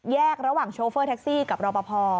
ระหว่างโชเฟอร์แท็กซี่กับรอปภ